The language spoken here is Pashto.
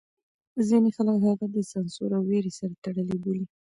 ځینې خلک هغه د سانسور او وېرې سره تړلی بولي.